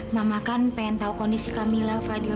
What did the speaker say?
mama kan pengen tahu kondisi kamila fadil